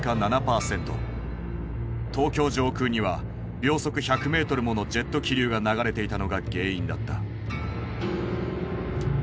東京上空には秒速１００メートルものジェット気流が流れていたのが原因だった。